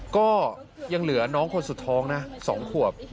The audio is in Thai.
ก็ยังเหลือน้องคนสุดท้องนะ๒ขวบ